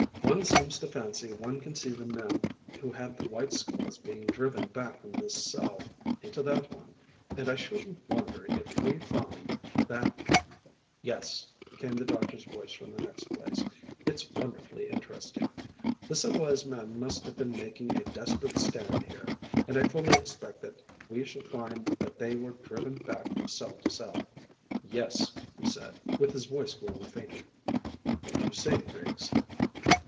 "One seems to fancy one can see the men who had the white skulls being driven back from this cell into that one, and I shouldn't wonder if we find that " "Yes," came the doctor's voice from the next place, "it's wonderfully interesting. The civilised men must have been making a desperate stand here, and I fully expect that we shall find that they were driven back from cell to cell. Yes," he said, with his voice growing fainter. "What do you say, Griggs?"